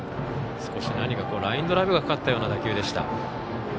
少しラインドライブがかかったような打球でした。